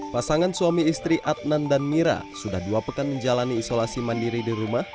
pasangan suami istri adnan dan mira sudah dua pekan menjalani isolasi mandiri di rumah